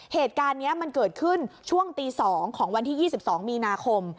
เหตุการณ์นี้มันเกิดขึ้นช่วงตี๒ของวันที่๒๒มีนาคม